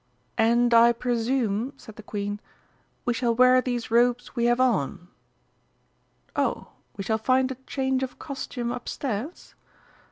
"And I presume," said the Queen, "we shall wear these robes we have on?... Oh, we shall find a change of costume upstairs?